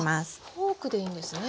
フォークでいいんですね。